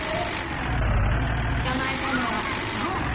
捕まえたのはチョウ。